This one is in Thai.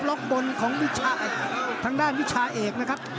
ล็อกบนของวิชาทางด้านวิชาเอกนะครับ